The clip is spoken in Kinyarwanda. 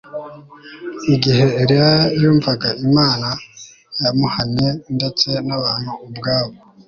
Igihe Eliya yumvaga Imana yamuhannye ndetse nabantu ubwabo